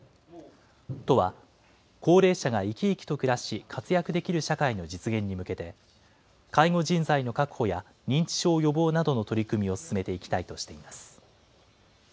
都は、高齢者が生き生きと暮らし活躍できる社会の実現に向けて、介護人材の確保や認知症予防などの取り組みを進めていきたいとしています。